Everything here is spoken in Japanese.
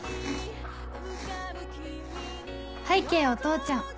拝啓お父ちゃん